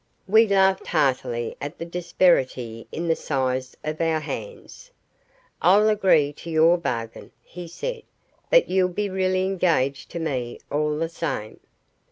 We laughed heartily at the disparity in the size of our hands. "I'll agree to your bargain," he said. "But you'll be really engaged to me all the same.